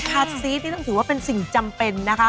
คาซีสนี่ต้องถือว่าเป็นสิ่งจำเป็นนะคะ